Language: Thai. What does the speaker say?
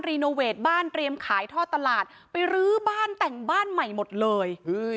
โนเวทบ้านเตรียมขายท่อตลาดไปรื้อบ้านแต่งบ้านใหม่หมดเลย